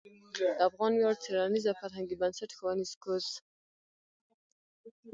د افغان ویاړ څیړنیز او فرهنګي بنسټ ښوونیز کورس